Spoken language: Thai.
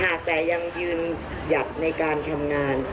แต่ยังยืนหยัดในการทำงาน